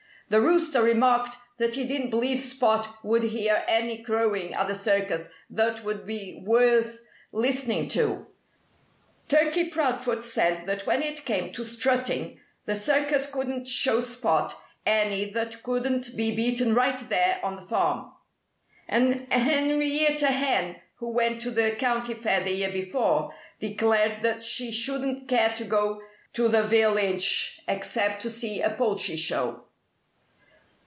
The Rooster remarked that he didn't believe Spot would hear any crowing at the circus that would be worth listening to. Turkey Proudfoot said that when it came to strutting the circus couldn't show Spot any that couldn't be beaten right there on the farm. And Henrietta Hen, who went to the county fair the year before, declared that she shouldn't care to go to the village except to see a poultry show.